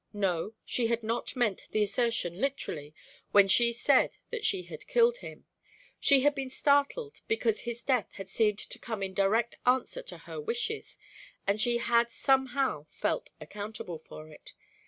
No, she had not meant the assertion literally when she said that she had killed him; she had been startled because his death had seemed to come in direct answer to her wishes, and she had somehow felt accountable for it.